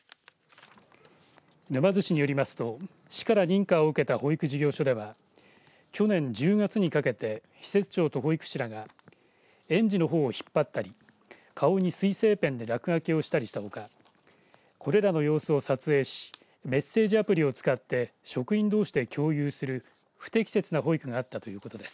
沼津市によりますと市から認可を受けた保育事業所では去年１０月にかけて施設長と保育士らが園児のほおを引っ張ったり顔に水性ペンで落書きをしたりしたほかこれらの様子を撮影しメッセージアプリを使って職員どうしで共有する不適切な保育があったということです。